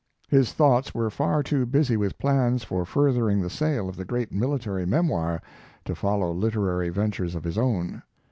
His thoughts were far too busy with plans for furthering the sale of the great military Memoir to follow literary ventures of his own.